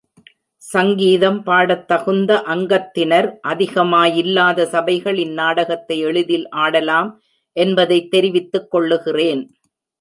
சங்கீதம் பாடத் தகுந்த அங்கத்தினர் அதிகமாயில்லாத சபைகள் இந்நாடகத்தை எளிதில் ஆடலாம் என்பதைத் தெரிவித்துக் கொள்ளுகிறேன்.